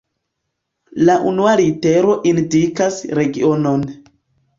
La unua litero indikas regionon.